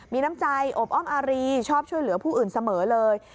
มีน้ำใจอบอ้อมอารีชอบช่วยเหลือผู้อื่นเสมอเลย